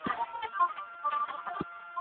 صدقه د بخل د ختمولو او سخاوت د ودې لار ده.